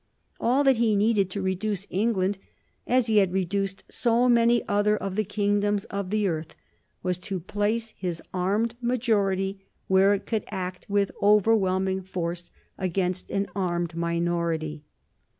All that he needed to reduce England, as he had reduced so many other of the kingdoms of the earth, was to place his armed majority where it could act with overwhelming force against an armed minority.